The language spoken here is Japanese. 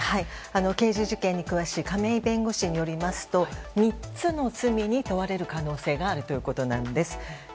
刑事事件に詳しい亀井弁護士によりますと３つの罪に問われる可能性があるということなんです。